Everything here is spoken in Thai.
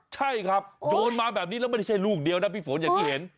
ใช่ครับโยนมาแบบนี้แล้วไม่ใช่ลูกเดียวนะพี่ฝนอย่างที่เห็น